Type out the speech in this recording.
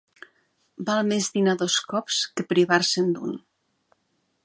Val més dinar dos cops que privar-se'n un.